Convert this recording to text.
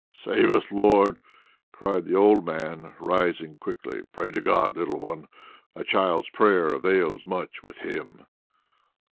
"Save us, Lord!" cried the old man, rising quickly. "Pray to God, little one. A child's prayer avails much with Him."